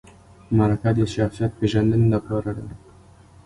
مرکه د شخصیت پیژندنې لپاره ده